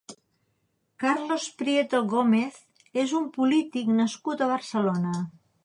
Carlos Prieto Gómez és un polític nascut a Barcelona.